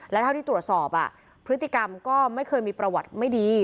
และเท่าที่ตรวจสอบพฤติกรรมก็ไม่เคยมีประวัติไม่ดี